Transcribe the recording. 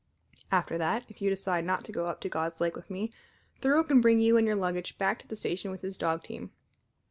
After that, if you decide not to go up to God's Lake with me, Thoreau can bring you and your luggage back to the station with his dog team.